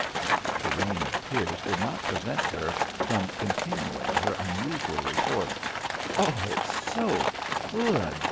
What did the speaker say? The rain of tears did not prevent her from continuing her unusual report. "Oh, it's so good!